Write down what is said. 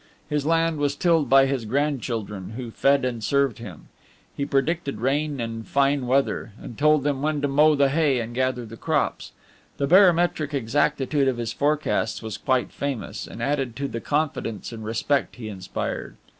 His land was tilled by his grandchildren, who fed and served him; he predicted rain and fine weather, and told them when to mow the hay and gather the crops. The barometric exactitude of his forecasts was quite famous, and added to the confidence and respect he inspired.